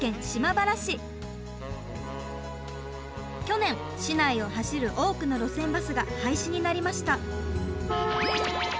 去年市内を走る多くの路線バスが廃止になりました。